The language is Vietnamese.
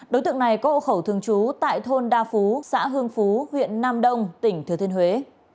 đối tượng này có hộ khẩu thường trú tại thôn đa phú xã hương phú huyện nam đông tỉnh thừa thiên huế